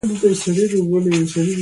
املا د لیکدود برخه ده.